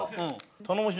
頼もしい。